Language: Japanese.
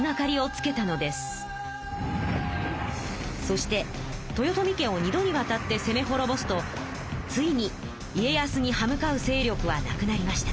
そして豊臣家を二度にわたってせめほろぼすとついに家康に歯向かう勢力は無くなりました。